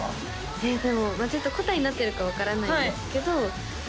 えっでも答えになってるか分からないんですけど私